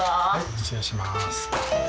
失礼します。